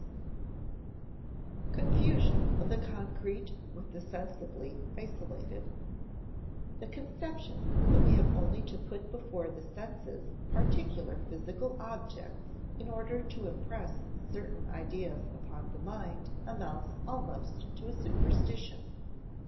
[Sidenote: Confusion of the concrete with the sensibly isolated] The conception that we have only to put before the senses particular physical objects in order to impress certain ideas upon the mind amounts almost to a superstition.